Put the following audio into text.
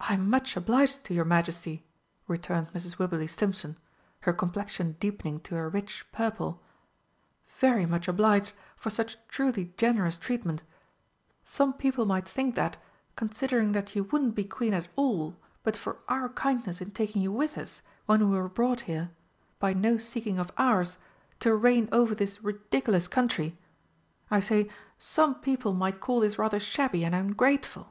"I am much obliged to your Majesty," returned Mrs. Wibberley Stimpson, her complexion deepening to a rich purple, "very much obliged for such truly generous treatment! Some people might think that, considering that you wouldn't be Queen at all but for our kindness in taking you with us, when we were brought here by no seeking of ours to reign over this ridiculous country I say, some people might call this rather shabby and ungrateful.